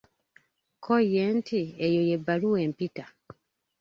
Kko ye nti Eyo ye bbaluwa empita.